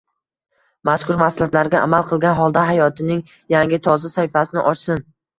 Mazkur maslahatlarga amal qilgan holda hayotining yangi, toza sahifasini ochsin.